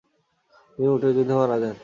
তিনি উটের যুদ্ধে মারা যান।